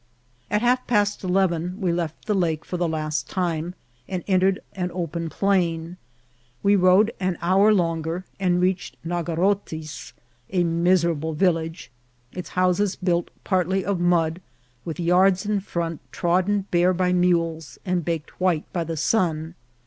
At half past eleven we left the lake for the last tune, and entered an open plain. We rode an hour longer, and reached Nagarotis, a miserable village, its houses built partly of mud, with yards in front, trodden bare by mules, and baked white by the sun.